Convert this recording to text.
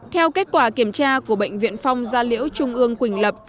theo kết quả kiểm tra của bệnh viện phong gia liễu trung ương quỳnh lập